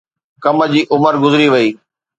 ڪم جي عمر گذري وئي